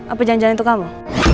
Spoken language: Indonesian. apa jalan jalan untuk kamu